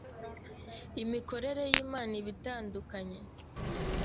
imikorere y’Imana iba itandukanye